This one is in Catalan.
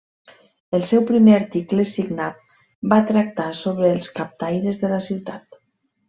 El seu primer article signat va tractar sobre els captaires de la ciutat.